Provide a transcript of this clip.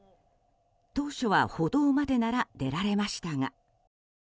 当初は歩道までなら出られましたが。